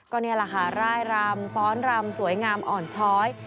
ก็นี่แหละค่ะร่ายรำฟ้อนรำสวยงามอ่อนช้อย